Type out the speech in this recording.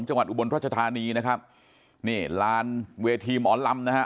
จังหวัดอุบลพราชธานีนะครับนี่ล้านเวทีหมอลำนะฮะ